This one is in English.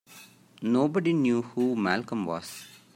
Nobody knew who Malcolm was.